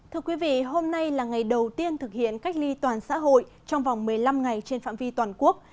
thưa quý vị hôm nay là ngày đầu tiên thực hiện cách ly toàn xã hội trong vòng một mươi năm ngày trên phạm vi toàn quốc